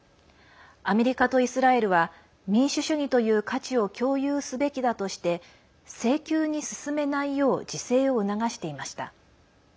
アメリカとイスラエルは民主主義という価値を共有すべきだとして性急に進めないよう自制を促していました。